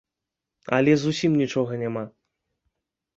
Але зусім нічога няма.